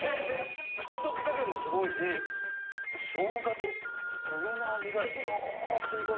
口溶け加減もすごいし生姜と梅の味がよーく染み込んでますね。